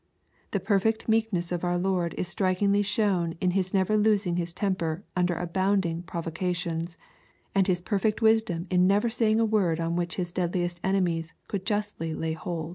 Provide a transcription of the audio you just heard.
The perfect meek ness of om Lord is strikingly shown in His never losing His temper under abounding provocations, and His perfect wisdom in never saying a word on which His deadUest enemies could justly lay hold.